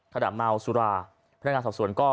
ขณะเมาสุราพนักการต่อส่วนก็